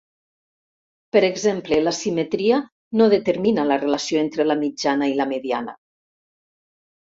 Per exemple, l'asimetria no determina la relació entre la mitjana i la mediana.